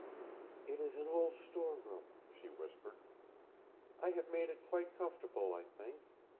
"It is an old storeroom," she whispered. "I have made it quite comfortable, I think.